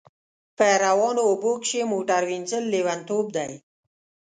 په روانو اوبو کښی موټر وینځل لیونتوب دی